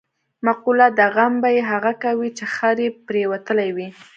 مقوله ده: غم به یې هغه کوي، چې خر یې پرېوتلی وي.